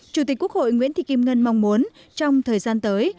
chủ tịch quốc hội nguyễn thị kim ngân mong muốn trong thời gian tới